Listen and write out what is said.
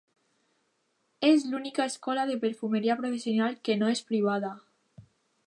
És l'única escola de perfumeria professional que no és privada.